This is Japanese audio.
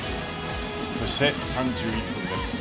そして３１分です。